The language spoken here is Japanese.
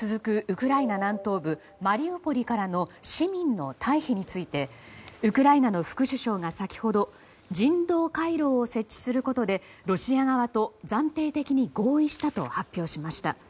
ウクライナ南東部マリウポリからの市民の退避についてウクライナの副首相が先ほど人道回廊を設置することでロシア側と暫定的に合意したと発表しました。